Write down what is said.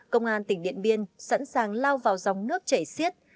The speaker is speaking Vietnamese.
công an tỉnh điện biên sẵn sàng lao vào dòng nước chảy xiết